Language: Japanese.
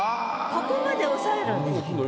ここまで押さえるんです。